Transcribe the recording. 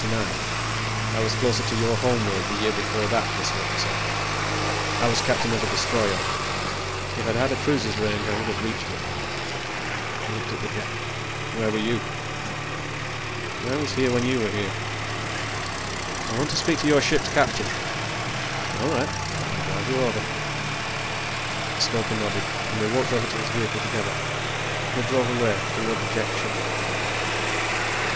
I was closer to your home world the year before that," the stoker said. "I was captain of a destroyer. If I'd had a cruiser's range, I would have reached it." He looked at the Jek. "Where were you?" "I was here when you were." "I want to speak to your ship's captain." "All right. I'll drive you over." The stoker nodded, and they walked over to his vehicle together. They drove away, toward the Jek ship.